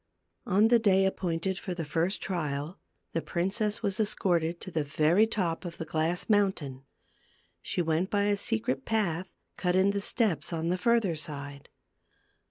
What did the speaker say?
On the day appointed for the first trial, the princess was escorted to the very top of the glass mountain ; she went by a secret path cut in the steps, on the further side.